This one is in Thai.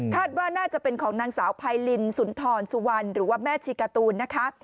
คาดว่าน่าจะเป็นของนังสาวพายลินสุนทรสุวรรณหรือแม่ชีกาตูนนะคะ